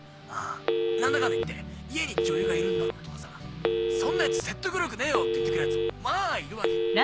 「何だかんだ言って家に女優がいるんだろ」とかさ「そんなヤツ説得力ねえよ！」って言ってくるヤツもまぁいるわけよ。